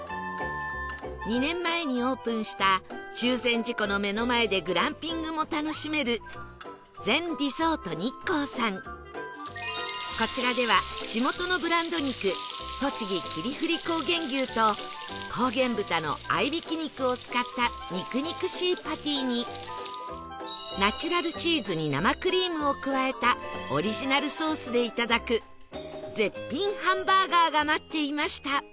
２年前にオープンした中禅寺湖の目の前でグランピングも楽しめるこちらでは地元のブランド肉とちぎ霧降高原牛と高原豚の合いびき肉を使った肉々しいパティにナチュラルチーズに生クリームを加えたオリジナルソースでいただく絶品ハンバーガーが待っていました